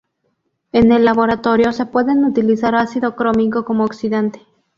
En el laboratorio, se puede utilizar ácido crómico como oxidante.